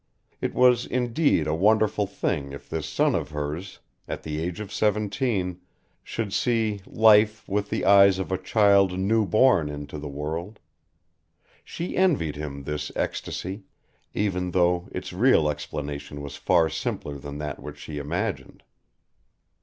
It was indeed a wonderful thing if this son of hers, at the age of seventeen, should see life with the eyes of a child new born into the world. She envied him this ecstasy, even though its real explanation was far simpler than that which she imagined.